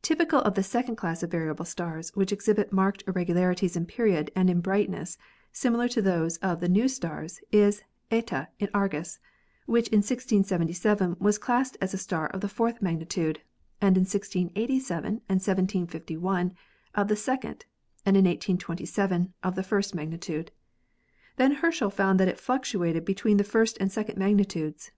Typical of the second class of variable stars which ex hibit marked irregularities in period and in brightness similar to those of the new stars is Eta in Argus, which in 1677 was classed as a star of the fourth magnitude and in 1687 and 1751 of the second and in 1827 of the first magnitude. Then Herschel found that it fluctuated be tween the first and second magnitudes.